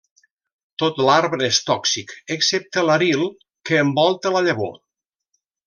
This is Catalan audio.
Tot l'arbre és tòxic, excepte l'aril que envolta la llavor.